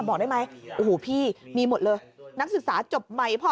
บอกได้ไหมโอ้โหพี่มีหมดเลยนักศึกษาจบใหม่พ่อ